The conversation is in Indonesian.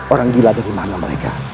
orang gila dari makna mereka